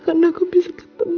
karena aku bisa ketemu sama mama